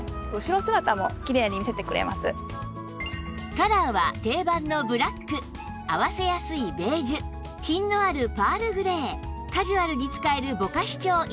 カラーは定番のブラック合わせやすいベージュ品のあるパールグレーカジュアルに使えるぼかし調インディゴ